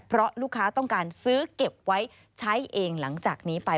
เพราะลูกค้าต้องการซื้อเก็บไว้ใช้เองหลังจากนี้ไป